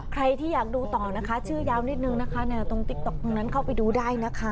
ใครที่อยากดูต่อนะคะชื่อยาวนิดนึงนะคะตรงติ๊กต๊อกตรงนั้นเข้าไปดูได้นะคะ